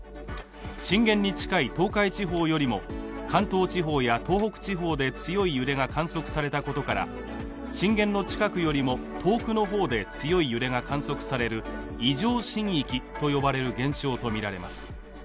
震源に近い東海地方よりも関東地方や東北地方で強い揺れが観測されたことから、震源の近くよりも遠くの方で強い揺れが観測される異常震域と呼ばれる現象とみられます。